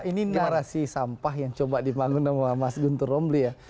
ini narasi sampah yang coba dibangun sama mas guntur romli ya